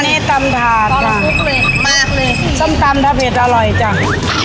นี่ตำถาดค่ะส้มตำถ้าเผ็ดอร่อยจัง